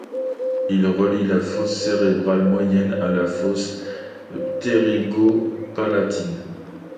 Il relie la fosse cérébrale moyenne et la fosse ptérygo-palatine.